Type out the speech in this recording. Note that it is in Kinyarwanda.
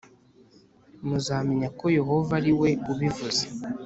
Muzamenya ko Yehova ariwe ubivuze